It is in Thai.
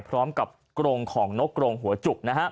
พร้อมกับกรงของนกกรงหัวจุก